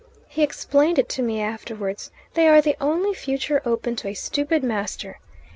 He explained it to me afterwards: they are the only, future open to a stupid master.